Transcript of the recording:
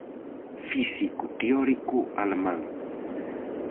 Físico teórico alemán.